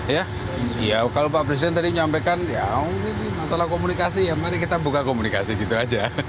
ya kalau pak presiden tadi menyampaikan masalah komunikasi ya mari kita buka komunikasi gitu saja